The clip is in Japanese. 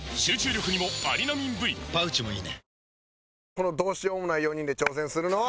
このどうしようもない４人で挑戦するのは。